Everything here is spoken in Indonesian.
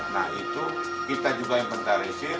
nah itu kita juga yang pencarisir